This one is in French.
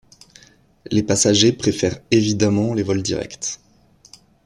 Les passagers préfèrent évidemment les vols directs.